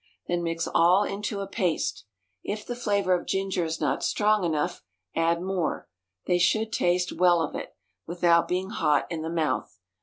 Then mix all into a paste. If the flavor of ginger is not strong enough, add more; they should taste well of it, without being hot in the mouth.